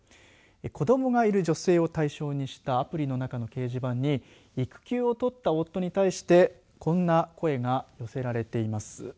子どもがいる女性を対象にしたアプリの中の掲示板に育休を取った夫に対してこんな声が寄せられています。